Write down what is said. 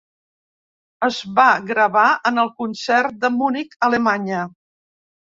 Es va gravar en el concert de Munic, Alemanya.